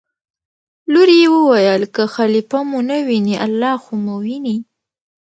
لور یې وویل: که خلیفه مو نه ویني الله خو مو ویني.